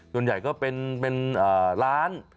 ส่วนใหญ่ก็เป็นร้าน